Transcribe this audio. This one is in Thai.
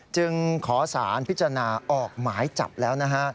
จึงขอสารพิจารณาออกหมายจับแล้วนะฮะ